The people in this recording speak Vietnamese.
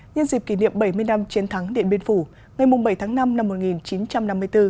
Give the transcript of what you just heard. nhân dịp kỷ niệm bảy mươi năm chiến thắng điện biên phủ ngày bảy tháng năm năm một nghìn chín trăm năm mươi bốn